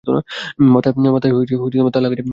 মাথায় তার লাগাচ্ছে কেন?